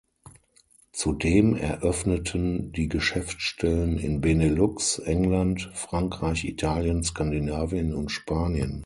Zudem eröffneten die Geschäftsstellen in Benelux, England, Frankreich, Italien Skandinavien und Spanien.